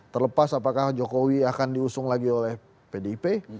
terlepas apakah jokowi akan diusung lagi oleh pdip